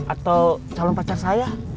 atau calon pacar saya